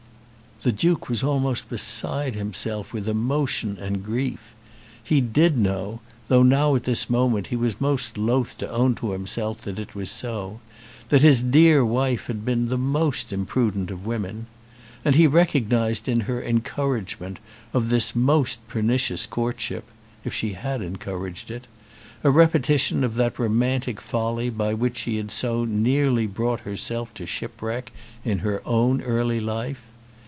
The Duke was almost beside himself with emotion and grief. He did know, though now at this moment he was most loath to own to himself that it was so, that his dear wife had been the most imprudent of women. And he recognised in her encouragement of this most pernicious courtship, if she had encouraged it, a repetition of that romantic folly by which she had so nearly brought herself to shipwreck in her own early life.